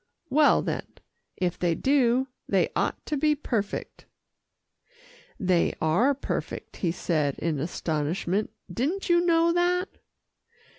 "Well then, if they do, they ought to be perfect." "They are perfect," he said in astonishment. "Didn't you know that?"